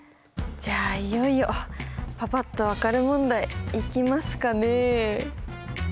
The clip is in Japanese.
じゃあいよいよパパっと分かる問題いきますかね。